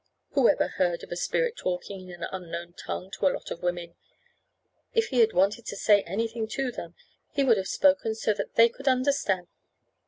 Whoever heard of a spirit talking in an unknown tongue to a lot of women? If he had wanted to say anything to them, he would have spoken so that they could understand.